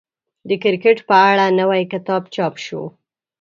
د کرکټ په اړه نوی کتاب چاپ شو.